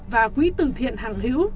và quý tử thiện hằng hiếu